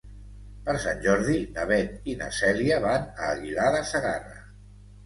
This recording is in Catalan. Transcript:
Per Sant Jordi na Beth i na Cèlia van a Aguilar de Segarra.